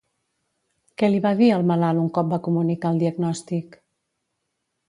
Què li va dir al malalt un cop va comunicar el diagnòstic?